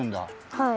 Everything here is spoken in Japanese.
はい。